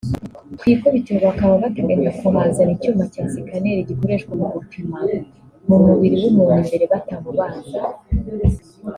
Ku ikubitiro bakaba bateganya kuhazana icyuma cya Sikaneri gikoreshwa mu gupima mu mubiri w’umuntu imbere batamubaze